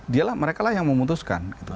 dia lah mereka lah yang memutuskan